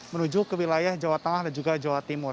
menuju ke wilayah jawa tengah dan juga jawa timur